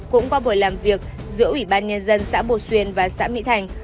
cũng qua buổi làm việc giữa ủy ban nhân dân xã bồ xuyên và xã mỹ thành